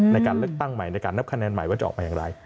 ในการเลือกตั้งใหม่ในการนับคะแนนใหม่ว่าจะออกมาอย่างไร